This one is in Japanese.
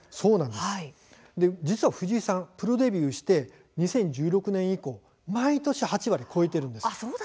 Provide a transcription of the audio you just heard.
実は藤井さん、プロデビューして２０１６年以降、毎年８割を超えているんです。